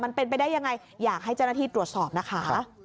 มันเป็นไปได้ยังไงอยากให้เจ้าหน้าที่ตรวจสอบนะคะ